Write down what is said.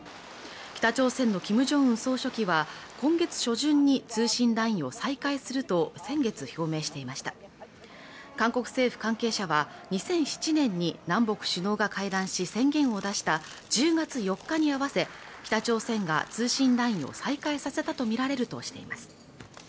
北朝鮮のキム・ジョンウン総書記は今月初旬に通信ラインを再開すると先月表明していました韓国政府関係者は２００７年に南北首脳が会談し宣言を出した１０月４日に合わせ北朝鮮が通信ラインを再開させたと見られるとしています